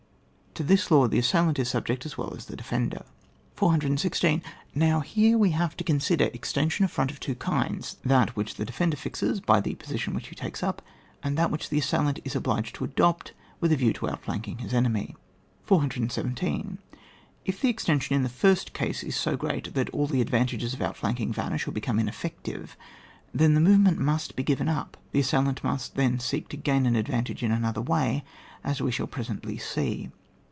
To this law the assailant is subject as well as the defender. 416. Now, here we have to consider extension of frtmt of two kinds; that which the defender fixes by the position which he takes up, and that which the assailant is obliged to adopt with a view to outflanking his enemy. 417. If the extension in the first case is so great that all the advantages of out flanking vanish or become ineffective, then that movement must be given up ; the assailant must then seek to gain an advantage in another way, as we shall presently see.